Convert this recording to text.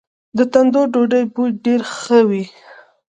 د تندور ډوډۍ بوی ډیر ښه وي.